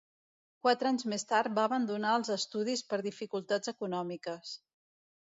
Quatre anys més tard va abandonar els estudis per dificultats econòmiques.